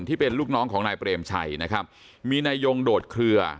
ที่เป็นลูกน้องของนายเปรมชัยนะครับมีนายยงโดดเคลือ